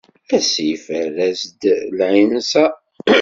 Asif err-as-d lɛinser.